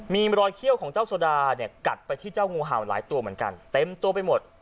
มีรอยเขี้ยวของเจ้าโซดาเนี่ยกัดไปที่เจ้างูเห่าหลายตัวเหมือนกันเต็มตัวไปหมด